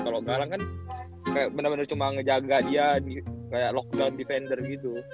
kalau galang kan bener bener cuma ngejaga dia kayak lock down defender gitu